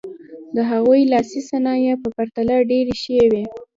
د هغوی لاسي صنایع په پرتله ډېرې ښې وې.